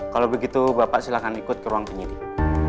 kalau begitu bapak silahkan ikut ke ruang penyidik